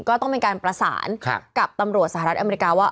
ก็ต้องมีการประสานกับตำรวจสหรัฐอเมริกาว่า